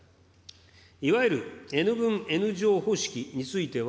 いわゆるＮ分Ｎ乗方式については、